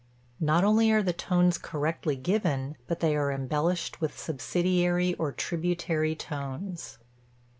Not only are the tones correctly given, but they are embellished with subsidiary or tributary tones.